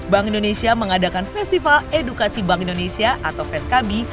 bank indonesia mengadakan festival edukasi bank indonesia atau feskabi